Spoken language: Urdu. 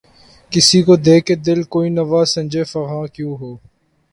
کسی کو دے کے دل‘ کوئی نوا سنجِ فغاں کیوں ہو؟